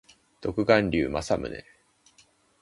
独眼竜政宗